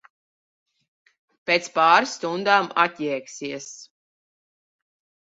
Pēc pāris stundām atjēgsies.